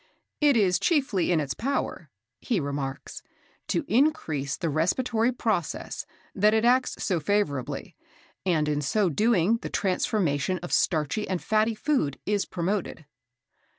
"It is chiefly in its power," he remarks, "to increase the respiratory process that it acts so favourably, and in so doing the transformation of starchy and fatty food is promoted."